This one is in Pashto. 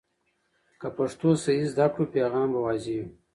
که پښتو صحیح زده کړو، پیغام به واضح وي.